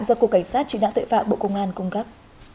do cục cảnh sát truy nã tuệ phạm bộ công an cung cấp